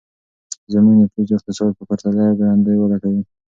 زموږ نفوس د اقتصاد په پرتله ګړندی وده کوي.